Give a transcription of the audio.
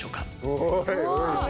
おいおい。